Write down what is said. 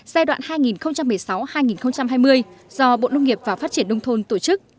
giai đoạn hai nghìn một mươi sáu hai nghìn hai mươi do bộ nông nghiệp và phát triển nông thôn tổ chức